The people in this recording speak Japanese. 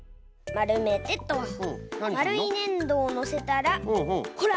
まるいねんどをのせたらほら！